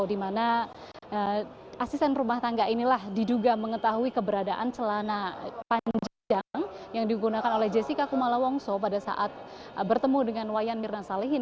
di mana asisten rumah tangga inilah diduga mengetahui keberadaan celana panjang yang digunakan oleh jessica kumala wongso pada saat bertemu dengan wayan mirna salihin